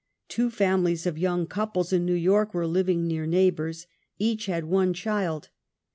Two families of young couples in ^N'ew York, were living near neighbors. Each had one child.